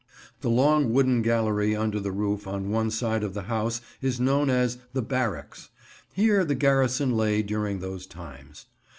The long wooden gallery under the roof on one side of the house is known as "the Barracks." Here the garrison lay during those times.